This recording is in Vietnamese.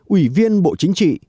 ủy viên bộ chính trị